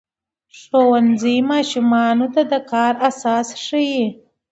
ښوونځی ماشومانو ته د کار اساس ښيي.